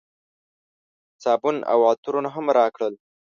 صابون او عطرونه هم راکړل.